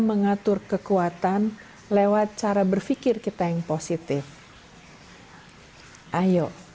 menandatangani kekuatanan dan anggaran terhadap tubuh ramai dan kekuatan yang tererei dan